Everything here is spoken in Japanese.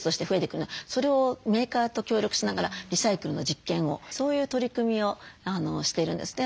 それをメーカーと協力しながらリサイクルの実験をそういう取り組みをしてるんですね。